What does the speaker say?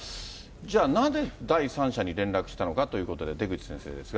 じゃあ、なぜ第三者に連絡したのかということで、出口先生ですが。